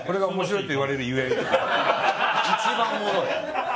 一番おもろい。